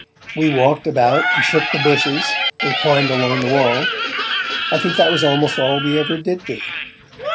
We walked about, and shook the bushes, and climbed along the wall; I think that was almost all we ever did do.